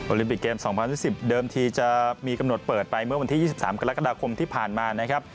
ลิมปิกเกม๒๐๒๐เดิมทีจะมีกำหนดเปิดไปเมื่อวันที่๒๓กรกฎาคมที่ผ่านมานะครับ